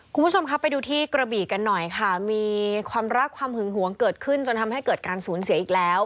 คุณผู้ชมครับไปดูที่กระบีกันหน่อยค่ะมีความรักความหึงหวงเกิดขึ้นจนทำให้เกิดการสูญเสียอีกแล้ว